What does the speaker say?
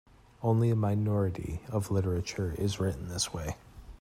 Only a minority of literature is written this way.